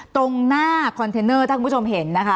ตรงหน้าคอนเทนเนอร์ถ้าคุณผู้ชมเห็นนะคะ